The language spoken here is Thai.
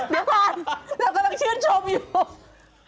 เดี๋ยวก่อนเรากำลังชื่นชมอยู่